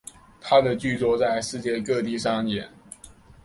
他的剧作在世界各地上演。